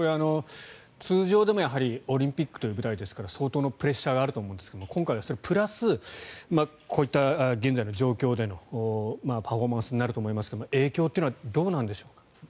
通常でもオリンピックという舞台ですから相当のプレッシャーがあると思うんですが今回はプラス現在のような状況でのパフォーマンスになると思いますが影響っていうのはどうなんでしょうか。